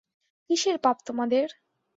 কিসের পাপ তোমাদের?